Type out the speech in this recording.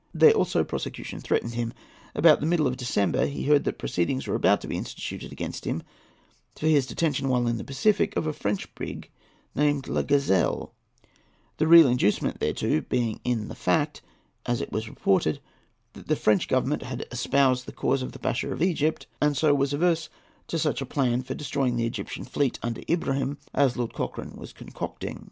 There also prosecution threatened him. About the middle of December he heard that proceedings were about to be instituted against him for his detention, while in the Pacific, of a French brig named La Gazelle, the real inducement thereto being in the fact, as it was reported, that the French Government had espoused the cause of the Pasha of Egypt, and so was averse to such a plan for destroying the Egyptian fleet under Ibrahim as Lord Cochrane was concocting.